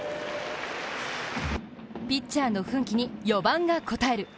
ピッチャーの奮起に４番が応える。